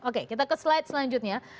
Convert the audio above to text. oke kita ke slide selanjutnya